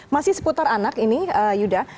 masih seputar anak ini yuda